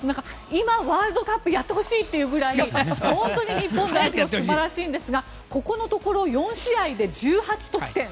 今、ワールドカップやってほしいというぐらい本当に日本代表素晴らしいんですがここのところ４試合で１８得点。